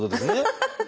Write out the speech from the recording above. ハハハハ！